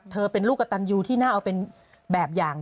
เป็นลูกกระตันยูที่น่าเอาเป็นแบบอย่าง